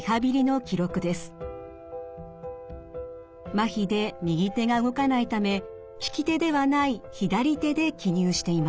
まひで右手が動かないため利き手ではない左手で記入しています。